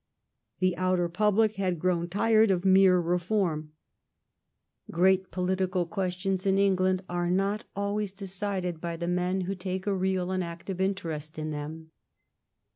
The outer public had grown tired of mere reform. Great political questions in England are not always decided by the men who take a real and active interest in them.